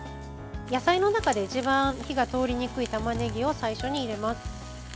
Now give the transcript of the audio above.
野菜の中で一番火が通りにくいたまねぎを最初に入れます。